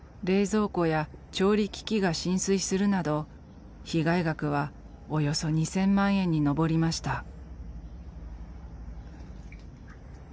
冷蔵庫や調理機器が浸水するなど被害額はおよそ２，０００万円に上りました。